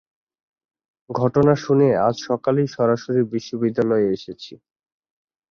ঘটনা শুনে আজ সকালেই সরাসরি বিশ্ববিদ্যালয়ে এসেছি।